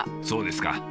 そうですか。